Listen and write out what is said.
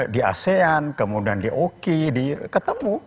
di asean kemudian di oki ketemu